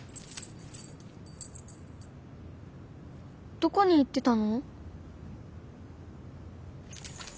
どこに行ってたの？